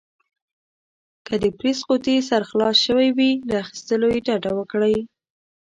که د پرېس قوطي سر خلاص شوی وي، له اخيستلو يې ډډه وکړئ.